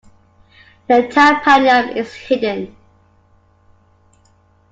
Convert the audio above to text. The tympanum is hidden.